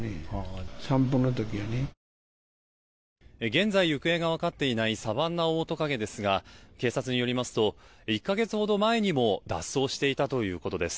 現在行方が分かっていないサバンナオオトカゲですが警察によりますと１か月ほど前にも脱走していたということです。